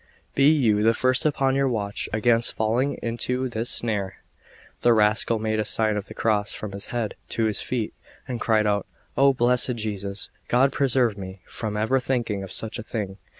Be you the first upon your watch against falling into this snare." The rascal made a sign of the cross from his head to his feet and cried out: "O blessed Jesus! God preserve me from ever thinking of such a thing!